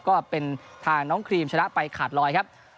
ก็เป็นทางน้องครีมชนะไปขาดรอยครับ